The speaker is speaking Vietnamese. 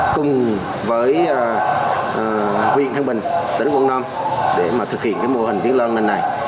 cùng với huyện thương bình tỉnh quảng nam để thực hiện mô hình tiếng loa an ninh này